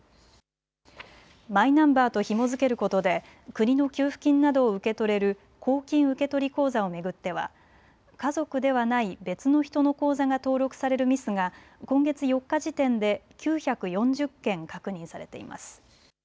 マイナンバーとひも付けることで国の給付金などを受け取れる公金受取口座を巡っては家族ではない別の人の口座が登録されるミスが今月４日時点で９４０件、確認されています。